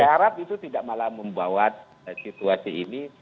saya harap itu tidak malah membawa situasi ini